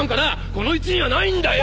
このうちにはないんだよ。